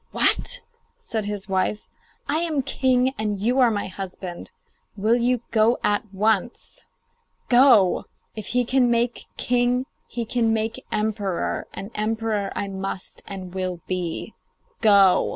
'What!' said his wife. 'I am king, and you are my husband. Will you go at once? Go! If he can make king he can make emperor, and emperor I must and will be. Go!